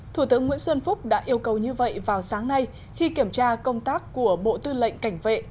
thủ tướng nguyễn xuân phúc đã yêu cầu như vậy vào sáng nay khi kiểm tra công tác của bộ tư lệnh cảnh vệ